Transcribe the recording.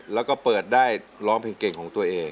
แล้วก็เปิดได้ร้องเพลงเก่งของตัวเอง